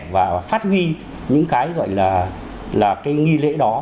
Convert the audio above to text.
và phát huy những cái gọi là cái nghi lễ đó